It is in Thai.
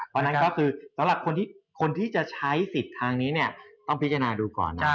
เพราะฉะนั้นก็คือสำหรับคนที่จะใช้สิทธิ์ทางนี้เนี่ยต้องพิจารณาดูก่อน